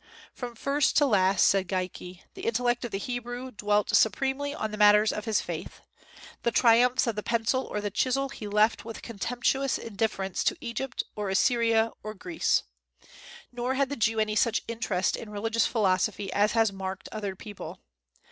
"From first to last," says Geikie, "the intellect of the Hebrew dwelt supremely on the matters of his faith. The triumphs of the pencil or the chisel he left with contemptuous indifference to Egypt, or Assyria, or Greece. Nor had the Jew any such interest in religious philosophy as has marked other people.